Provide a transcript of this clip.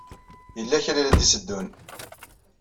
Yella kra ay la d-itteddun.